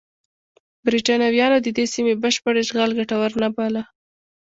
برېټانویانو د دې سیمې بشپړ اشغال ګټور نه باله.